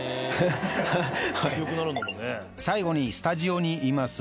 最後にスタジオにいます